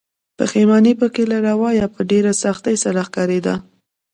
پښيماني پکې له ورايه په ډېرې سختۍ سره ښکاريده.